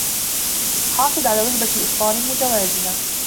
حافظ على وجبة إفطارمتوازنة